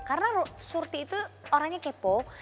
karena surti itu orangnya kepok